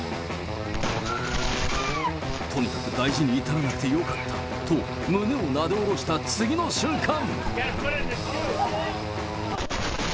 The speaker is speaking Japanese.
とにかく大事に至らなくてよかった、と、胸をなで下ろした次の瞬間。